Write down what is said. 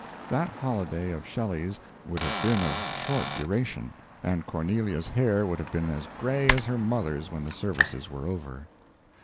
That holiday of Shelley's would have been of short duration, and Cornelia's hair would have been as gray as her mother's when the services were over.